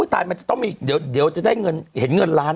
ตายมันจะต้องมีเดี๋ยวจะได้เงินเห็นเงินล้าน